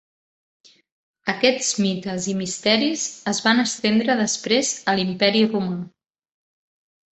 Aquests mites i misteris es van estendre després a l'Imperi romà.